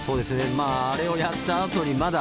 まああれをやったあとにまだ。